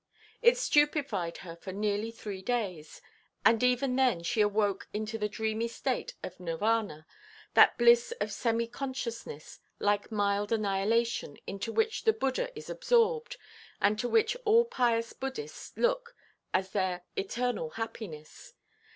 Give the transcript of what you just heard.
It stupefied her for nearly three days, and even then she awoke into the dreamy state of Nirwana, that bliss of semi–consciousness, like mild annihilation, into which the Buddha is absorbed, and to which all pious Buddhists look as their eternal happiness.